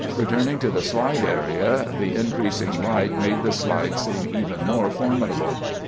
Returning to the slide area, the increasing light made the slide seem even more formidable.